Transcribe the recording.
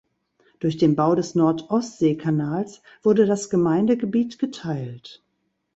Durch den Bau des Nord-Ostsee-Kanals wurde das Gemeindegebiet geteilt.